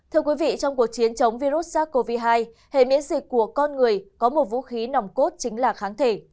trong cuộc chiến chống virus sars cov hai hệ miễn dịch của con người có một vũ khí nòng cốt chính là kháng thể